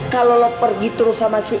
kalau lo pergi terus sama si